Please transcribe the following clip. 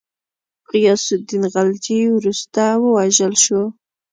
غیاث االدین خلجي وروسته ووژل شو.